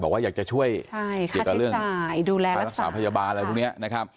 บอกว่าอยากจะช่วยเกี่ยวกับเรื่องภารกษาพยาบาลอะไรอยู่เนี่ย